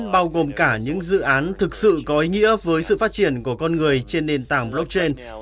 bao gồm cả những dự án thực sự có ý nghĩa với sự phát triển của con người trên nền tảng blockchain